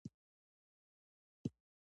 خور د خپلو خاطرو خزانه لري.